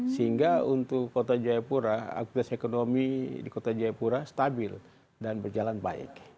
sehingga untuk kota jayapura aktivitas ekonomi di kota jayapura stabil dan berjalan baik